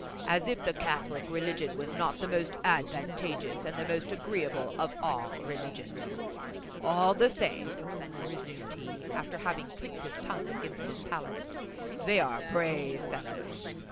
As if the Catholic religion was not the most advantageous and the most agreeable of all religions! All the same," resumed he, after having clicked his tongue against his palate, "they are brave fellows!